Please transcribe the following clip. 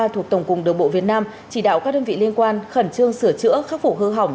thuộc tổng cục đường bộ việt nam chỉ đạo các đơn vị liên quan khẩn trương sửa chữa khắc phục hư hỏng